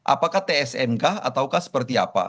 apakah tsmk ataukah seperti apa